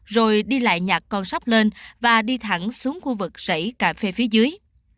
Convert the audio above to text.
rồi đi lại nhặt con sóc lên và đi thẳng xuống khu vực rẫy cà phê phía dưới